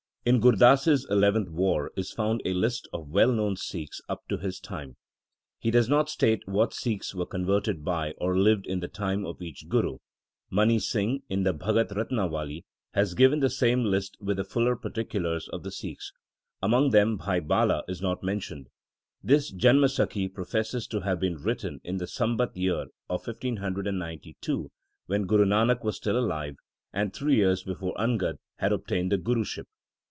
In Gur Das s eleventh War is found a list of well known Sikhs up to his time. He does not state what Sikhs were converted by or lived in the time of each Guru. Mani Singh, in the Bhagat Ratanwali, has given the same list with fuller particulars of the Sikhs. Among them Bhai Bala is not mentioned. This Janamsakhi professes to have been written in the Sambat year 1592, ! when Guru Nanak was still alive, and three years before Angad had obtained the Guruship.